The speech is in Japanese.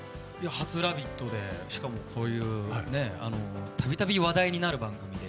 初「ラヴィット！」でこういうたびたび話題になる番組で。